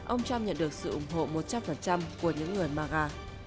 ông trump nhận được sự ủng hộ một trăm linh của những người maga